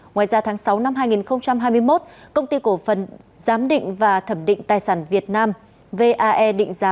ngoài ra tháng sáu năm hai nghìn hai mươi một công ty cổ phần giám định và thẩm định tài sản việt nam vae định giá